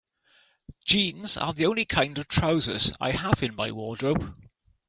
Jeans are the only kind of trousers I have in my wardrobe.